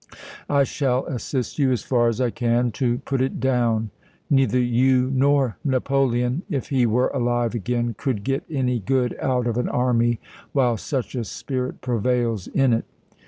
I shall assist you as far as I can to put it down. Neither you nor Napoleon, if he were alive again, could get any good out of an army while such a spirit prevails in it.